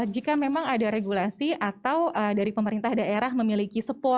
jika memang ada regulasi atau dari pemerintah daerah memiliki